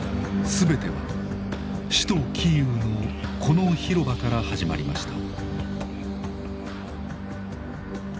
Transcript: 全ては首都キーウのこの広場から始まりました。